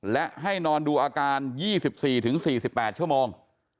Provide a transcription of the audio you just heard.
และให้นอนดูอาการ๒๔๔๘ชั่วโมง